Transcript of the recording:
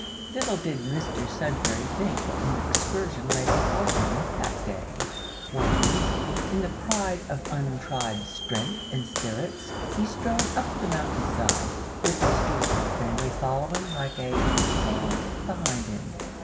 Little did good Mr Sudberry think what an excursion lay before him that day, when, in the pride of untried strength and unconquerable spirits, he strode up the mountain side, with his dutiful family following like a "tail" behind him.